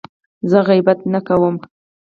زه غیبت نه کوم.